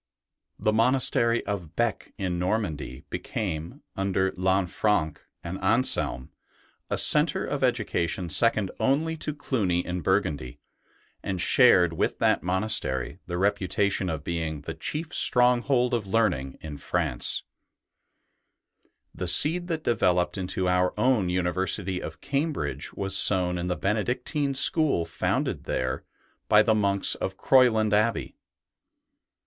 The monastery of Bee in Normandy became, under Lanfranc and * Grammar, rhetoric, logic, arithmetic, music, geo metry, and astronomy. ii8 ST. BENEDICT Anselm, a centre of education second only to Cluny in Burgundy, and shared with that monastery the reputation of being the chief stronghold of learning in France. The seed that developed into our own university of Cambridge was sown in the Benedictine school founded there by the monks of Croyland Abbey.